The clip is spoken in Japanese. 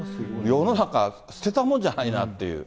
世の中捨てたもんじゃないなっていう。